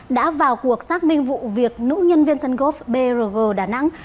đã vào cuộc xác minh vụ việc nữ nhân viên sân gốc brg đà nẵng